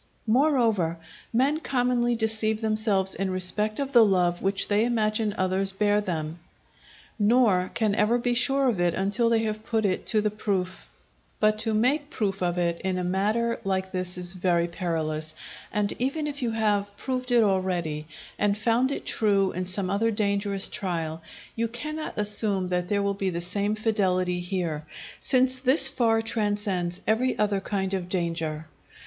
Moreover men commonly deceive themselves in respect of the love which they imagine others bear them, nor can ever be sure of it until they have put it to the proof. But to make proof of it in a matter like this is very perilous; and even if you have proved it already, and found it true in some other dangerous trial, you cannot assume that there will be the same fidelity here, since this far transcends every other kind of danger.